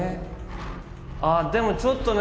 あっでもちょっとね。